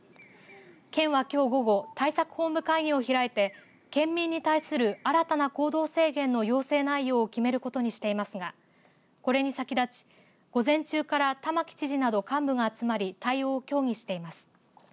県はきょう午後対策本部会議を開いて県民に対する新たな行動制限の要請内容を決めることにしていますがこれに先立ち午前中から玉城知事など幹部が集まり対応を協議しています。